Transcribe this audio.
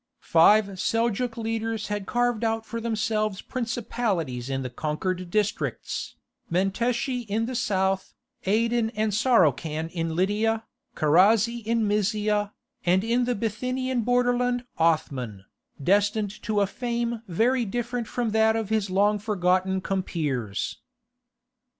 Five Seljouk leaders had carved out for themselves principalities in the conquered districts, Menteshe in the south, Aidin and Saroukhan in Lydia, Karasi in Mysia, and in the Bithynian borderland Othman, destined to a fame very different from that of his long forgotten compeers.